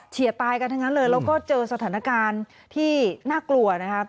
ตายกันทั้งนั้นเลยแล้วก็เจอสถานการณ์ที่น่ากลัวนะครับ